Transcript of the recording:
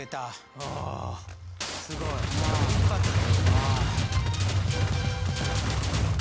おおすごい一発や。